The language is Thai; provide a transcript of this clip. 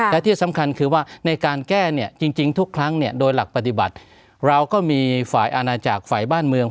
และที่สำคัญคือว่าในการแก้เนี่ยจริงทุกครั้งเนี่ยโดยหลักปฏิบัติเราก็มีฝ่ายอาณาจักรฝ่ายบ้านเมือง